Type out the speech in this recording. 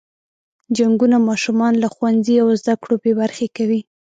جنګونه ماشومان له ښوونځي او زده کړو بې برخې کوي.